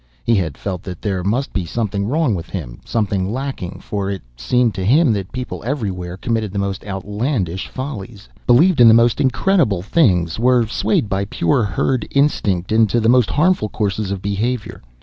He had felt that there must be something wrong with him, something lacking, for it seemed to him that people everywhere committed the most outlandish follies, believed in the most incredible things, were swayed by pure herd instinct into the most harmful courses of behavior.